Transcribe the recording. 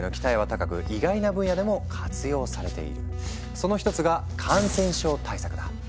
その一つが感染症対策だ。